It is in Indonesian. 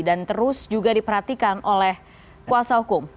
dan terus juga diperhatikan oleh kuasa hukum